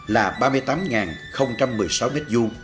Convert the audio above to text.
là ba mươi tám một mươi sáu m hai